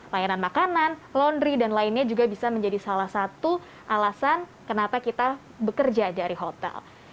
layanan makanan laundry dan lainnya juga bisa menjadi salah satu alasan kenapa kita bekerja dari hotel